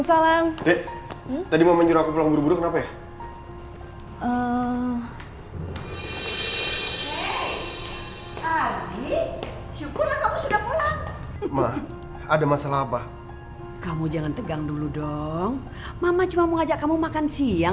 sampai jumpa di video selanjutnya